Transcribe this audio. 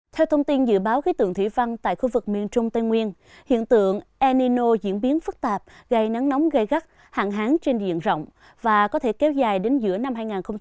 theo thông tin dự báo khí tượng thủy văn tại khu vực miền trung tây nguyên hiện tượng enino diễn biến phức tạp gây nắng nóng gây gắt hạn hán trên diện rộng và có thể kéo dài đến giữa năm hai nghìn hai mươi